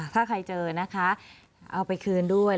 ถ้าใครเจอนะคะเอาไปคืนด้วย